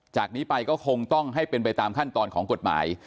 จากนี้ไปก็คงต้องให้เป็นไปตามขั้นตอนของกฎหมาย